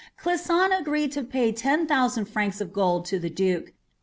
Clisson agreed to pay ten thousand franca of gold la the dokf.